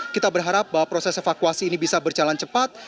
kita berharap bahwa proses evakuasi ini bisa berjalan cepat